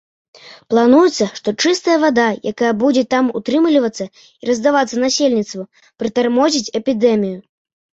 Плануецца, што чыстая вада, якая будзе там утрымлівацца і раздавацца насельніцтву, прытармозіць эпідэмію.